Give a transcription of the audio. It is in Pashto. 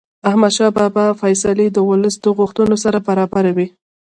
احمدشاه بابا فیصلې د ولس د غوښتنو سره برابرې وې.